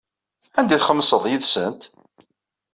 Anda ay txemmseḍ yid-sent?